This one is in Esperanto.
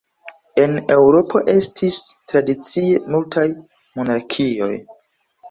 En Eŭropo estis tradicie multaj monarkioj.